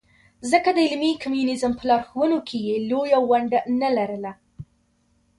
ځکه د عملي کمونیزم په لارښوونه کې یې لویه ونډه نه لرله.